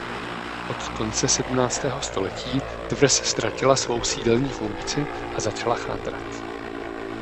Od konce sedmnáctého století tvrz ztratila svou sídelní funkci a začala chátrat.